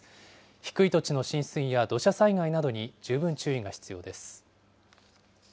低い土地の浸水や土砂災害などに十分注意が必要です。